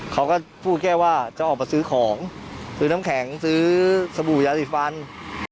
เขาก็พูดแค่ว่าจะออกมาซื้อของซื้อน้ำแข็งซื้อสบู่ยาสีฟัน